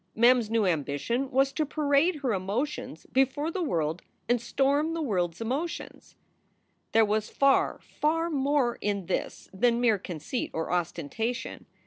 Mem s new ambition was to parade her emotions before the world and storm the world s emotions. There was far, far more in this than mere conceit or ostentation.